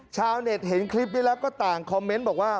ชาวเน็ตเห็นคลิปนี้แล้วก็ต่างคอมเมนต์บอกว่า